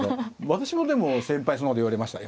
私もでも先輩にそんなこと言われました。